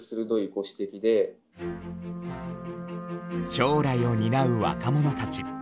将来を担う若者たち。